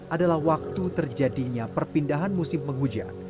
adalah waktu terjadinya perpindahan musim penghujan